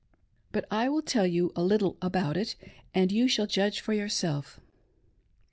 But I will tell you a little about it, and you shall judge for yourself.